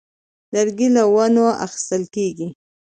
لرګی له ونو اخیستل کېږي.